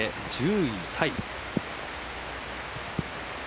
１０位タイ。